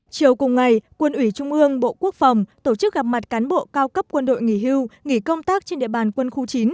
chiều cùng ngày quân ủy trung ương bộ quốc phòng tổ chức gặp mặt cán bộ cao cấp quân đội nghỉ hưu nghỉ công tác trên địa bàn quân khu chín